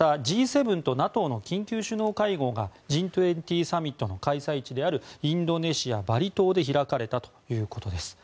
また、Ｇ７とＮＡＴＯの緊急首脳会合がＧ２０サミットの開催地であるインドネシア・バリ島で開かれたということです。